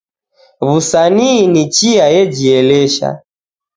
W'usanii ni chia yejielesha.